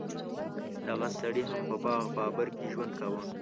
دغه سړي هم په باغ بابر کې ژوند کاوه.